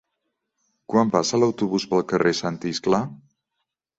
Quan passa l'autobús pel carrer Sant Iscle?